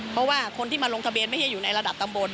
เพราะว่าคนที่มาลงทะเบียนไม่ใช่อยู่ในระดับตำบล